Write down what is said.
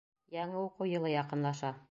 ...Яңы уҡыу йылы яҡынлаша.